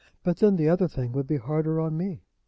But then the other thing would be harder on me.